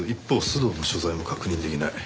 須藤の所在も確認できない。